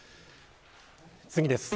次です。